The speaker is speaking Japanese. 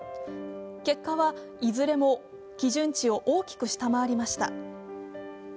結果は、いずれも基準値を大きく下回りました。